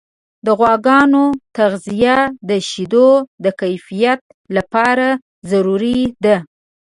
د غواګانو تغذیه د شیدو د کیفیت لپاره ضروري ده.